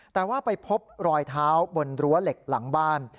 แต่ว่าไปพบรอยเท้าบนรั้วเหล็กหลังบ้าน